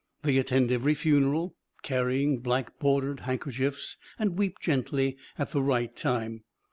They attend every funeral, carrying black bordered handkerchiefs, and weep gently at the right time.